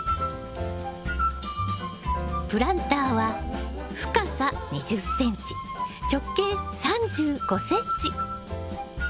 プランターは深さ２０ｃｍ直径３５ｃｍ。